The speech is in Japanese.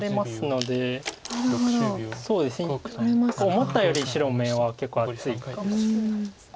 思ったより白眼は結構厚いかもしれないです。